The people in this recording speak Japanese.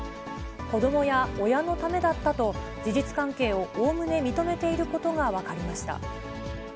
子どもや親のためだったと、事実関係をおおむね認めていることが分かりました。